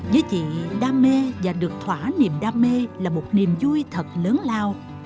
với chị đam mê và được thỏa niềm đam mê là một niềm vui thật lớn lao